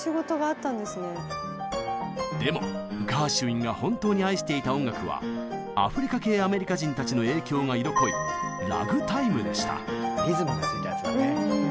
でもガーシュウィンが本当に愛していた音楽はアフリカ系アメリカ人たちの影響が色濃いリズムがついたやつだね。